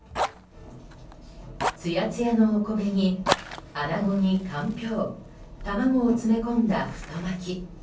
つやつやのお米にアナゴにかんぴょう卵を詰め込んだ太巻き。